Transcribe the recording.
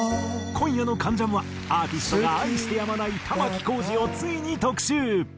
今夜の『関ジャム』はアーティストが愛してやまない玉置浩二をついに特集。